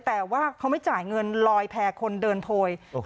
แต่ว่าเขาไม่จ่ายเงินลอยแพร่คนเดินโพย